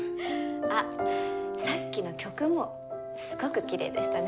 あっさっきの曲もすごくきれいでしたね。